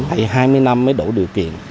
hai mươi năm mới đủ điều kiện